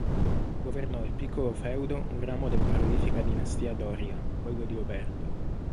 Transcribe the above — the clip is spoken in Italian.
Governò il piccolo feudo un ramo della prolifica dinastia Doria, quello di Oberto.